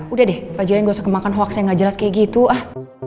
udah deh pak jaya gak usah kemakan hoax yang gak jelas kayak gitu ah